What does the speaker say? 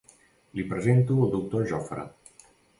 Li presento el doctor Jofre.